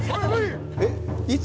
えっ、いつ？